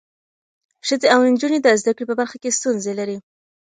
ښځې او نجونې د زده کړې په برخه کې ستونزې لري.